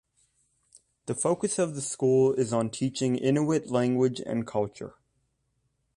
The focus of the school is on teaching Inuit language and culture.